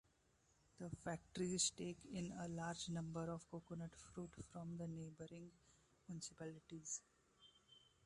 The factories take in a large number of coconut fruit from the neighbouring municipalities.